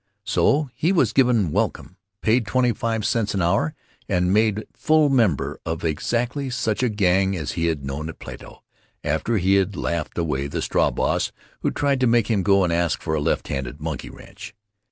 So he was given welcome, paid twenty five cents an hour, and made full member of exactly such a gang as he had known at Plato, after he had laughed away the straw boss who tried to make him go ask for a left handed monkey wrench.